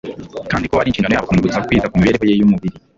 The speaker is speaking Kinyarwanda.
kandi ko ari inshingano yabo kumwibutsa kwita ku mibereho ye y’umubiri